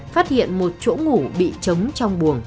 phát hiện một chỗ ngủ bị trống trong buồng